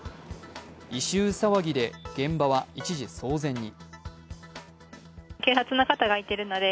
異臭騒ぎで現場は一時騒然に。